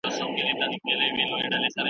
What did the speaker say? د بشر ذهن په تدريج سره د پرمختګ په حال کي دی.